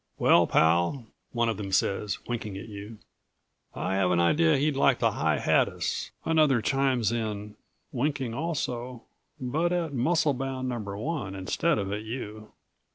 "Well, pal!" one of them says, winking at you. "I have an idea he'd like to high hat us," another chimes in, winking also, but at Muscle Bound Number One instead of at you.